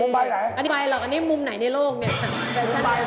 มุมใบไหนอันนี้มุมใบหรืออันนี้มุมไหนในโลก